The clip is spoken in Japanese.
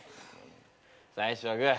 最初はグー。